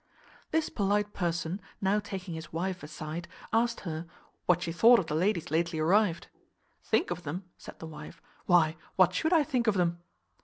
This polite person, now taking his wife aside, asked her "what she thought of the ladies lately arrived?" "Think of them?" said the wife, "why, what should I think of them?"